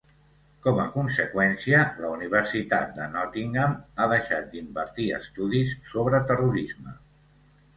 Com a conseqüència, la Universitat de Nottingham ha deixat d'impartir estudis sobre terrorisme.